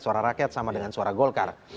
suara rakyat sama dengan suara golkar